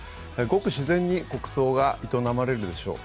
ごく自然に国葬が営まれるでしょう。